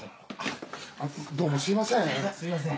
どうもすみません。